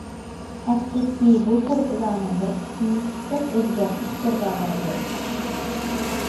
ئەپسۇسكى بۇ كوچىلارنىڭ بىر قىسمى چىقىپ ئۆزگەرتىش گىردابىغا بېرىپ قاپتۇ.